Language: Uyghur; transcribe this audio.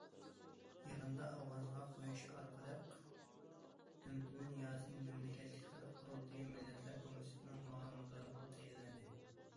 يىغىندا ئاۋازغا قويۇش ئارقىلىق، مەمتىمىن ياسىن مەملىكەتلىك خەلق قۇرۇلتىيى مىللەتلەر كومىتېتىنىڭ مۇئاۋىن مۇدىرلىقىغا تەيىنلەندى.